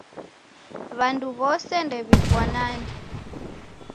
W'andu wose ndew'ifwanane.